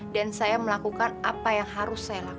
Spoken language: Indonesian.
dan saya melakukan apa yang harus saya lakukan